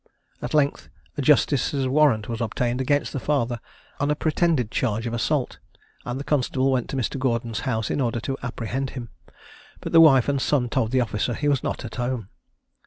At length a justice's warrant was obtained against the father on a pretended charge of assault, and the constable went to Mr. Gordon's house in order to apprehend him; but the wife and son told the officer he was not at home.